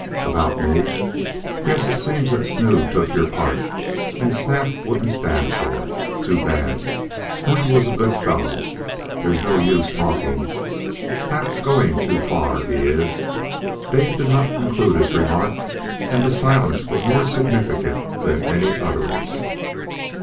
"About me!" "Yes, it seems that Snood took your part, and Snap wouldn't stand for it. Too bad! Snood was a good fellow. There's no use talking, Snap's going too far he is " Dave did not conclude his remark, and the silence was more significant than any utterance.